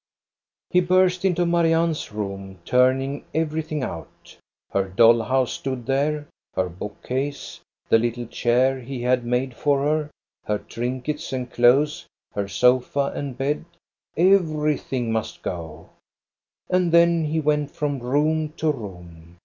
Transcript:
He burst into Marianne's room, turning everything out. Her doll house stood there, and her book case, the little chair he had had made for her, her trink ets and clothes, her sofa and bed, everything must go And then he went from room to room.